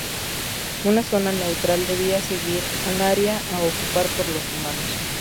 Una zona neutral debía seguir al área a ocupar por los rumanos.